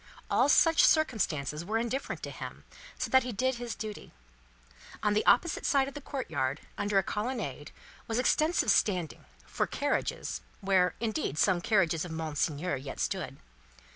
All such circumstances were indifferent to him, so that he did his duty. On the opposite side of the courtyard, under a colonnade, was extensive standing for carriages where, indeed, some carriages of Monseigneur yet stood.